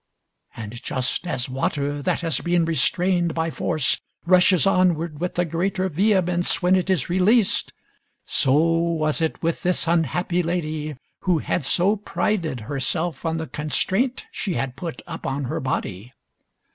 And just as water that has been restrained by force rushes onward with the greater vehemence when it is released, so was it with this unhappy lady who had so prided herself on the constraint she had put upon her body.